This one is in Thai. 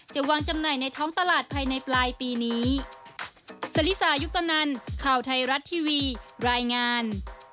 จะวางจำหน่ายในท้องตลาดภายในปลายปีนี้สริษายุคตอนนั้นข่าวไทยรัฐทีวีรายงาน